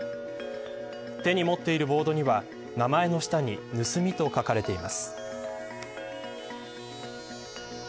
手に持っているボードには名前の下に盗みと書かれています。